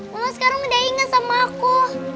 gue sekarang udah inget sama aku